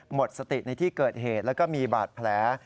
หมดสติในที่เกิดเหตุแล้วก็มีบาดแผล